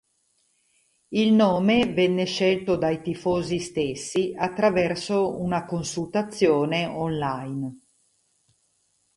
Il nome venne scelto dai tifosi stessi attraverso una consultazione online.